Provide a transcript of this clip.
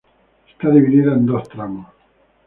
Está dividida en dos tramos.